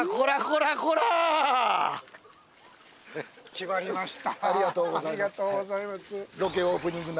決まりました。